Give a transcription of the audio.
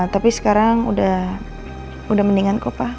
tapi sekarang udah mendinganku pa